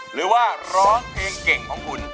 หรือว่าร้องเพลงเก่งของคุณ